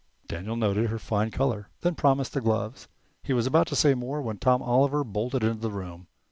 Daniel noted her fine color, then promised the gloves. He was about to say more when Tom Oliver bolted into the room.